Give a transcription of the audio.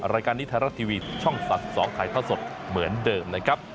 รายการนิทรารัสทีวีช่อง๓๒ไทยท่าสดเหมือนเดิมนะครับ